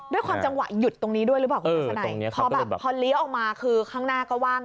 ด้วยความจังหวะหยุดตรงนี้ด้วยหรือเปล่าคุณทัศนัยพอแบบพอเลี้ยวออกมาคือข้างหน้าก็ว่าง